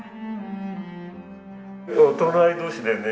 お隣同士でね